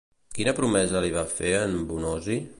Quina promesa li va fer en Bonosi?